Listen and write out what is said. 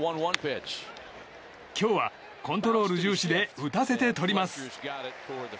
今日はコントロール重視で打たせてとります。